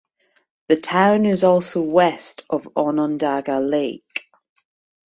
The town is also west of Onondaga Lake.